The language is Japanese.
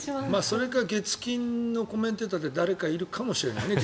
それか月金のコメンテーターに誰かいるかもしれないね。